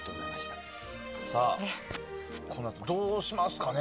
このあとどうしますかね。